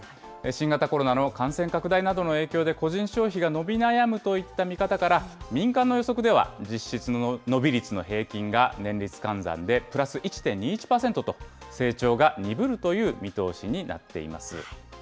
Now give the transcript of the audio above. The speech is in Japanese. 新型コロナの感染拡大などの影響で、個人消費が伸び悩むといった見方から、民間の予測では、実質の伸び率の平均が年率換算でプラス１．２１％と成長が鈍るという見通しになっています。